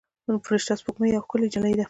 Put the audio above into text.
فرشته سپوږمۍ یوه ښکلې نجلۍ ده.